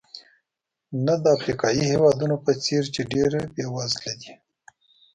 نه د افریقایي هېوادونو په څېر چې ډېر بېوزله دي.